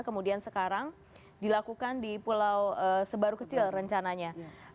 kemudian sekarang dilakukan di pulau sebaru kecil rencananya